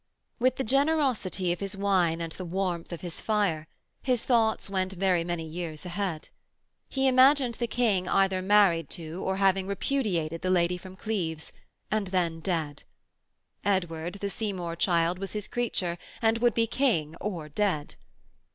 With the generosity of his wine and the warmth of his fire, his thoughts went many years ahead. He imagined the King either married to or having repudiated the Lady from Cleves, and then dead. Edward, the Seymour child, was his creature, and would be king or dead.